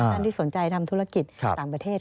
ท่านที่สนใจทำธุรกิจต่างประเทศ